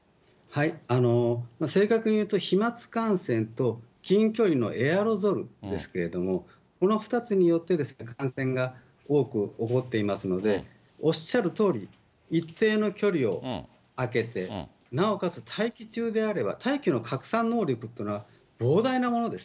正確に言うと、飛まつ感染と近距離のエアロゾルですけれども、この２つによって、感染が多く起こっていますので、おっしゃるとおり、一定の距離を空けて、なおかつ大気中であれば、大気の拡散能力っていうのは膨大なものです。